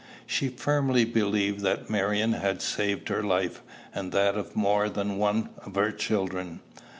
She firmly believed that Marion had saved her life, and that of more than one of her children.